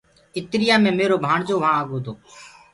اِتيآ مي ميرو ڀآڻجو وهآنٚ آگو تو